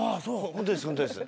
ホントですホントです。